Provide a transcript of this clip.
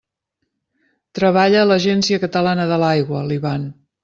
Treballa a l'Agència Catalana de l'Aigua, l'Ivan.